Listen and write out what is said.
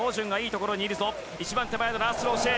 一番手前のラースロー・シェー。